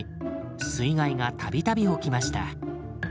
水害が度々起きました。